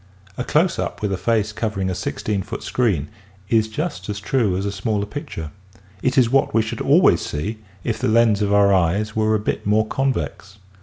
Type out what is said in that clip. A close up with a face covering a sixteen foot screen is just as true as a smaller picture. It is what we should always see if the lens of our eyes were a bit more convex.